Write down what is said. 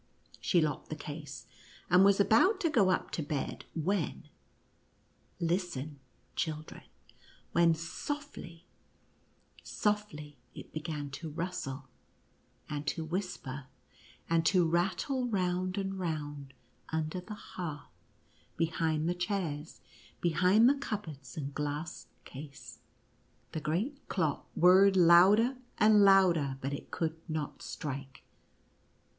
She locked the case, and was about to go up to bed, when — listen children — when softly, softly it began to rustle, and to whisper, and to rattle round and round, under the hearth, behind the chairs, behind the cup boards and glass case. The great clock whir — red louder and louder, but it could not strike.